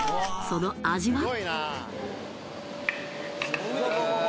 その味は？